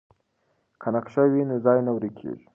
که نقشه وي نو ځای نه ورکیږي.